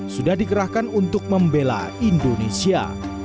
sudah dikerahkan untuk membela indonesia